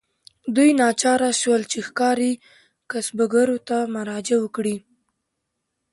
دوی ناچاره شول چې ښاري کسبګرو ته مراجعه وکړي.